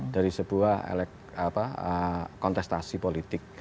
dari sebuah kontestasi politik